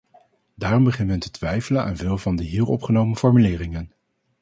Daarom begint men te twijfelen aan veel van de hier opgenomen formuleringen.